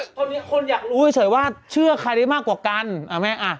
ตอนนี้คนอยากรู้เฉยว่าเชื่อใครได้มากกว่ากันอ่าแม่อ่ะ